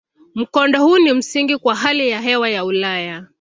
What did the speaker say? Mkondo huu ni msingi kwa hali ya hewa ya Ulaya.